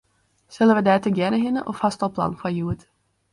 Sille we dêr tegearre hinne of hast al plannen foar hjoed?